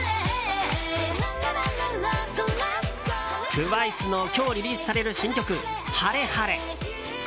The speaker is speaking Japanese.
ＴＷＩＣＥの今日リリースされる新曲「ＨａｒｅＨａｒｅ」。